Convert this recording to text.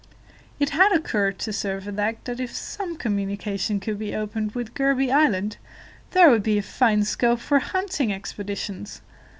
It had occurred to Servadac that if some communication could be opened with Gourbi Island, there would be a fine scope for hunting expeditions.